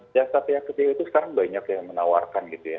jasa pihak ketiga itu sekarang banyak yang menawarkan gitu ya